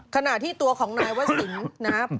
ขณะที่ตัวของนายวศิลป์นะครับ